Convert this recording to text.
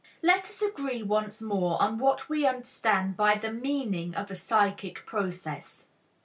Let us agree once more on what we understand by the "meaning" of a psychic process.